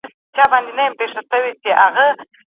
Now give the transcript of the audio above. پديدې د انسان له ذهن سره تړل کيږي.